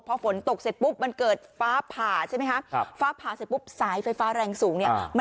พอฝนตกเสร็จปุ๊บมันเกิดฟ้าผ่าใช่ไหมครับ